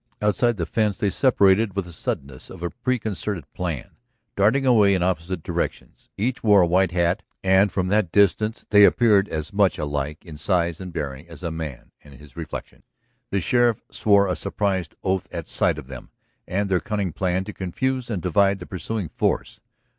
Outside the fence they separated with the suddenness of a preconcerted plan, darting away in opposite directions. Each wore a white hat, and from that distance they appeared as much alike in size and bearing as a man and his reflection. The sheriff swore a surprised oath at sight of them, and their cunning plan to confuse and divide the pursuing force.